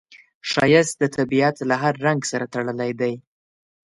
ښایست د طبیعت له هر رنګ سره تړلی دی